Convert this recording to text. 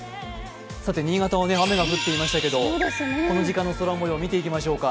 新潟は雨が降っていましたけどこの時間の空もよう、見ていきましょうか。